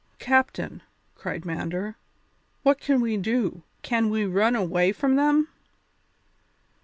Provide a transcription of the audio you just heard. "Captain," cried Mander, "what can we do, can we run away from them?"